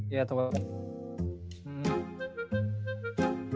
ya mungkin dapetin mangan lain